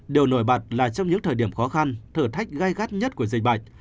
điều nổi bật là trong những thời điểm khó khăn thử thách gai gắt nhất của dịch bệnh